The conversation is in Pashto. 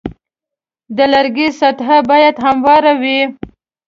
د لرګي سطحه باید همواره وي.